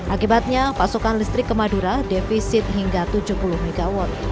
akibatnya pasokan listrik ke madura defisit hingga tujuh puluh mw